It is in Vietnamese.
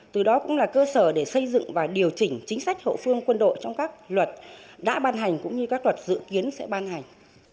từ đó cũng là cơ sở để xây dựng và điều chỉnh chính sách hậu phương quân đội trong các luật đã ban hành cũng như các luật dự kiến sẽ ban hành